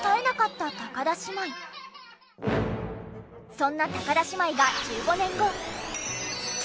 そんな田姉妹が１５年後。